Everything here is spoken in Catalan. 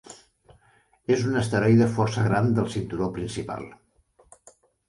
És un asteroide força gran del cinturó principal.